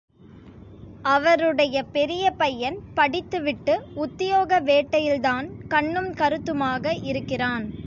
அவருடைய பெரிய பையன் படித்து விட்டு உத்தியோக வேட்டையில்தான் கண்ணும் கருத்துமாக இருக்கிறான்.